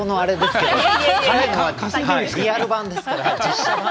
彼はリアル版ですから。